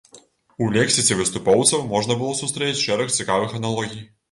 У лексіцы выступоўцаў можна было сустрэць шэраг цікавых аналогій.